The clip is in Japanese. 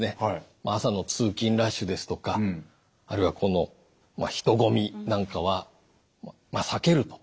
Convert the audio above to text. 朝の通勤ラッシュですとかあるいは人混みなんかは避けると。